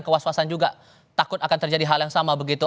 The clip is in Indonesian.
kewas wasan juga takut akan terjadi hal yang sama begitu